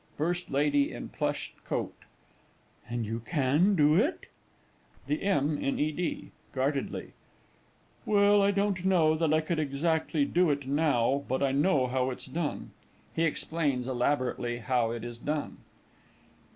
FIRST LADY IN PLUSH CLOAK. And can you do it? THE M. IN E. D. (guardedly). Well, I don't know that I could exactly do it now but I know how it's done. [_He explains elaborately how it is done.